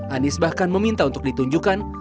anies bahkan meminta untuk ditunjukkan